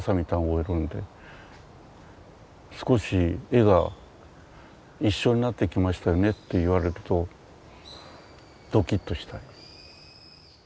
少し絵が一緒になってきましたねって言われるとドキッとしたり。